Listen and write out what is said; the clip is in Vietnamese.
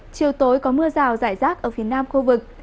chiều tối có mưa rào rải rác ở phía nam khu vực